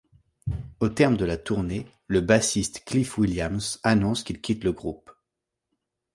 Au terme de la tournée, le bassiste Cliff Williams annonce qu'il quitte le groupe.